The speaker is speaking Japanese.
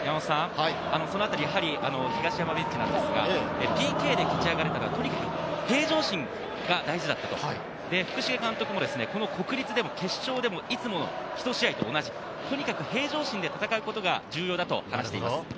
東山ベンチですが、ＰＫで勝ち上がれたら、とにかく平常心が大事だと、福重監督も国立でも決勝でもいつもひと試合と同じ、とにかく平常心で戦うことが重要だと話しています。